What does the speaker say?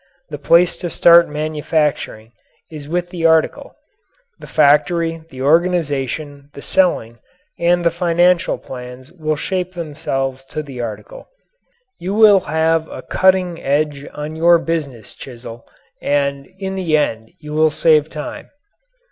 The place to start manufacturing is with the article. The factory, the organization, the selling, and the financial plans will shape themselves to the article. You will have a cutting, edge on your business chisel and in the end you will save time.